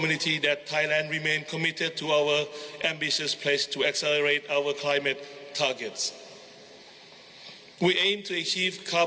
นี่แหละค่ะก็มีแนวคิดนะคะ